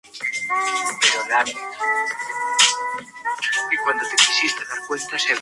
Esta situación duró pocos años.